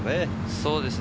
そうですね。